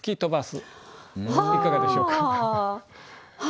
いかがでしょうか？